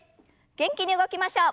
元気に動きましょう。